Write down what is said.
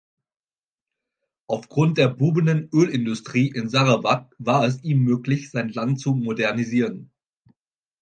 Aufgrund der boomenden Ölindustrie in Sarawak war es ihm möglich, sein Land zu modernisieren.